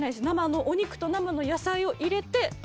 生のお肉と生の野菜を入れて。